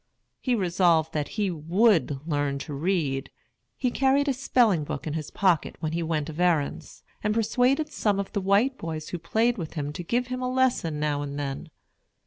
He resolved that he would learn to read. He carried a spelling book in his pocket when he went of errands, and persuaded some of the white boys who played with him to give him a lesson now and then.